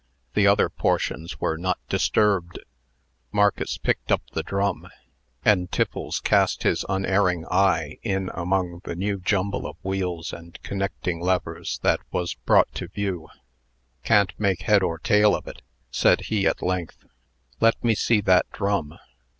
The other portions were not disturbed. Marcus picked up the drum; and Tiffles cast his unerring eye in among the new jumble of wheels and connecting levers that was brought to view. "Can't make head or tail of it," said he, at length. "Let me see that drum."